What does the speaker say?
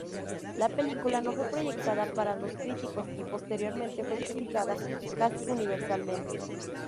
La película no fue proyectada para los críticos y posteriormente fue criticada casi universalmente.